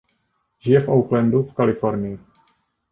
Žije v Oaklandu v Kalifornii.